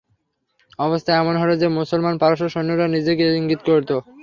অবস্থা এমন হল যে, মুসলমান পারস্য সৈন্যের দিকে ইংগিত করত।